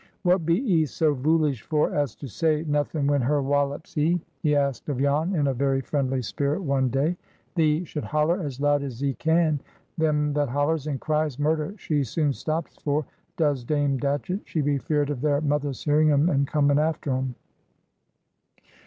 "What be 'ee so voolish for as to say nothin' when her wollops 'ee?" he asked of Jan, in a very friendly spirit, one day. "Thee should holler as loud as 'ee can. Them that hollers and cries murder she soon stops for, does Dame Datchett. She be feared of their mothers hearing 'em, and comin' after 'em."